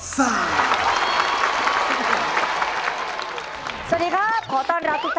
สวัสดีครับขอต้อนรับทุกท่าน